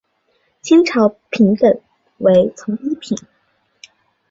清朝品等为从一品。